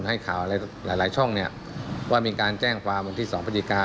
ให้ข่าวหลายช่องเนี่ยว่ามีการแจ้งความวันที่๒พฤศจิกา